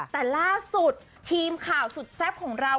แต่ล่าสุดทีมข่าวสุดแซ่บของเรา